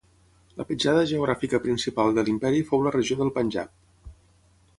La petjada geogràfica principal de l'imperi fou la regió del Panjab.